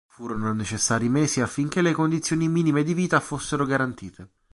Furono necessari mesi affinché le condizioni minime di vita fossero garantite.